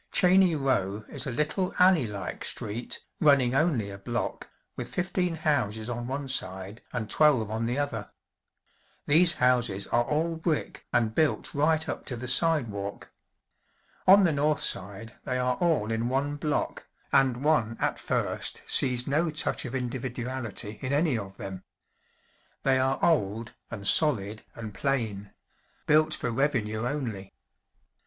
Cheyne Row is a little, alley like street, running only a block, with fifteen houses on one side, and twelve on the other. These houses are all brick and built right up to the sidewalk. On the north side they are all in one block, and one at first sees no touch of individuality in any of them. They are old, and solid, and plain built for revenue only.